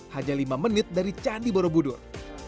hanya lima menit dari candi borobudur